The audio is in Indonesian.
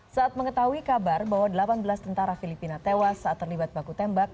saat mengetahui kabar bahwa delapan belas tentara filipina tewas saat terlibat baku tembak